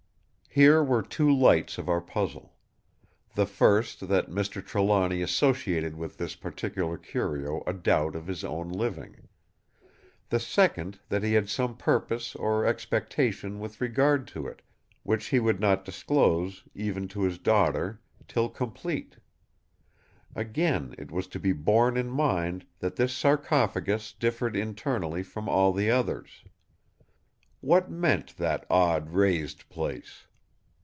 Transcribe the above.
Here were two lights of our puzzle. The first that Mr. Trelawny associated with this particular curio a doubt of his own living. The second that he had some purpose or expectation with regard to it, which he would not disclose, even to his daughter, till complete. Again it was to be borne in mind that this sarcophagus differed internally from all the others. What meant that odd raised place?